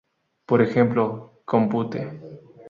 Por ejemplo, "Compute!